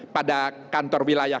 pada kantor wilayah